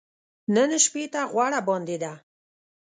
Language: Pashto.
نن شپې ته غوړه باندې ده .